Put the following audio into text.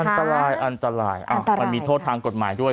อันตรายอันตรายมันมีโทษทางกฎหมายด้วย